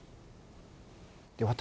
で私